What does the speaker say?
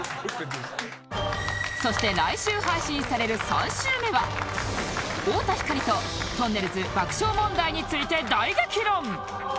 そして来週配信される３週目は太田光ととんねるず爆笑問題について大激論！